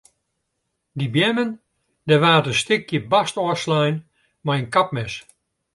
Dy beammen dêr waard in stikje bast ôfslein mei in kapmes.